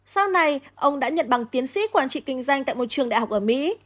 sau này ông đã nhận bằng tiến sĩ quản trị kinh doanh tại một trường đại học ở mỹ